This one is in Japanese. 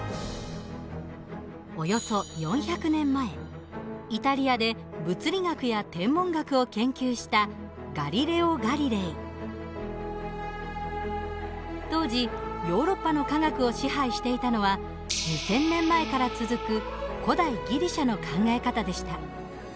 およそ４００年前イタリアで物理学や天文学を研究した当時ヨーロッパの科学を支配していたのは２，０００年前から続く古代ギリシアの考え方でした。